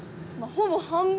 ほぼ半分。